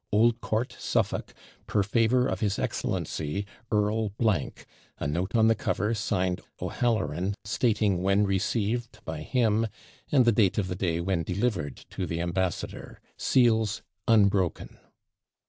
Old Court, Suffolk, per favour of his excellency, Earl , a note on the cover, signed O'Halloran, stating when received by him, and the date of the day when delivered to the ambassador seals unbroken.